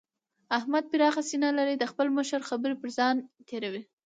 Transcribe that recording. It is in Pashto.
احمد پراخه سينه لري؛ د خپل مشر خبرې پر ځان تېروي.